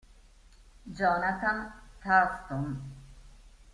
Johnathan Thurston